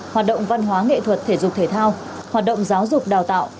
hoạt động văn hóa nghệ thuật thể dục thể thao hoạt động giáo dục đào tạo